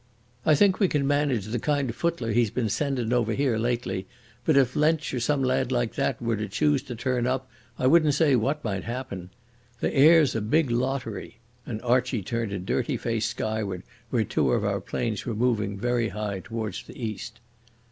I think we can manage the kind of footler he's been sendin' over here lately, but if Lensch or some lad like that were to choose to turn up I wouldn't say what might happen. The air's a big lottery," and Archie turned a dirty face skyward where two of our planes were moving very high towards the east.